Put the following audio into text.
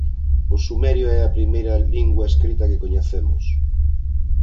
O sumerio é a primeira lingua escrita que coñecemos.